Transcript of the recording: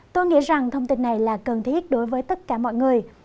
tôi nghĩ rằng thông tin này là cần thiết đối với tất cả mọi người